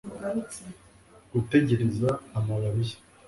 gutegereza amababi ye